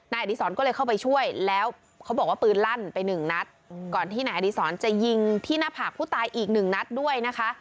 อดีศรก็เลยเข้าไปช่วยแล้วเขาบอกว่าปืนลั่นไปหนึ่งนัดก่อนที่นายอดีศรจะยิงที่หน้าผากผู้ตายอีกหนึ่งนัดด้วยนะคะ